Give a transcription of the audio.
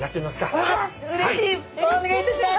お願いいたします。